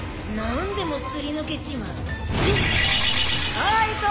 何でもすり抜けちまう。